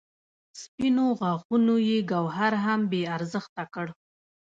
سپینو غاښونو یې ګوهر هم بې ارزښته کړ.